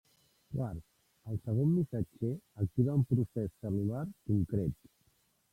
Quart, el segon missatger activa un procés cel·lular concret.